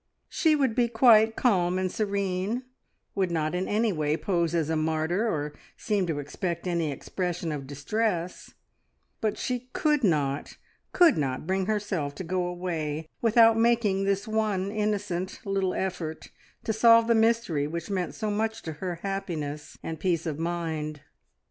She would be quite calm and serene, would not in any way pose as a martyr or seem to expect any expression of distress, but she could not could not bring herself to go away without making this one innocent little effort to solve the mystery which meant so much to her happiness and peace of mind.